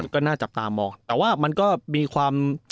ก็น่าจับตามองแต่ว่ามันก็มีความ